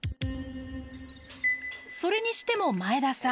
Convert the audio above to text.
それにしても前田さん